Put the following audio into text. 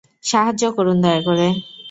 সাহায্য করুন দয়া করে।